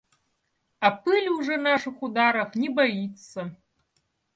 А пыль уже наших ударов не боится.